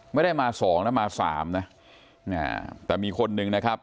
ไม่ได้มา๒แล้วมา๓นะแต่มีคนหนึ่งนะครับ